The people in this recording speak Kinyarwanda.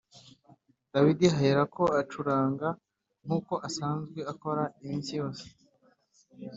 Dawidi aherako acuranga nk’uko asanzwe akora iminsi yose